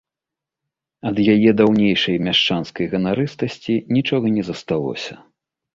Ад яе даўнейшай мяшчанскай ганарыстасці нічога не засталося.